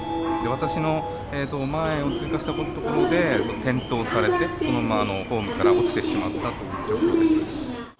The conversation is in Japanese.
私の前を通過したところで、転倒されて、そのままホームから落ちてしまったという状況です。